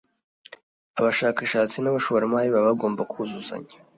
abashakashatsi n’abashoramari baba bagomba kuzuzanya